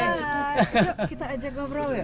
yuk kita ajak ngobrol ya